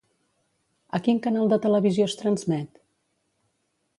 A quin canal de televisió es transmet?